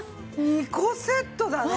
２個セットだね